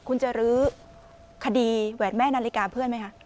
คุณจะรื้อคดีแหวนแม่นาฬิกาเพื่อนไหมคะ